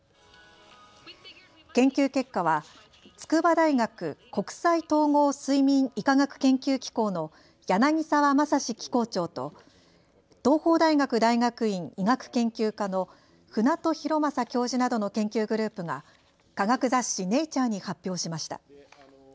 研究結果は筑波大学国際統合睡眠医科学研究機構の柳沢正史機構長と東邦大学大学院医学研究科の船戸弘正教授などの研究グループが科学雑誌、ネイチャーに発表しました。